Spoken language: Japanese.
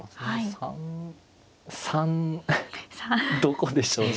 ３３どこでしょうね。